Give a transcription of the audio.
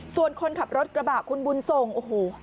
ส่วนคนขับรถกระบะคุณบุญส่งโอ้โห